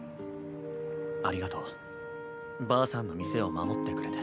ありがとうばあさんの店を守ってくれて。